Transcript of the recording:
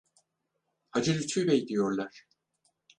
Hacı Lütfü Bey diyorlar.